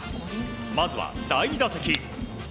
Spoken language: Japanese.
まずは第２打席。